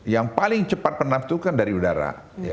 yang paling cepat penaf itu kan dari udara